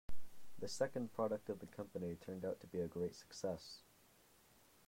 The second product of the company turned out to be a great success.